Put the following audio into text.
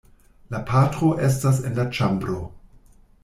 La patro estas en la ĉambro.